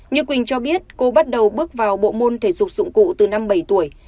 như quỳnh cho biết cô bắt đầu bước vào bộ môn thể dục dụng cụ từ năm bảy tuổi